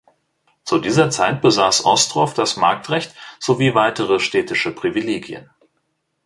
Zu dieser Zeit besaß Ostrov das Marktrecht sowie weitere städtische Privilegien.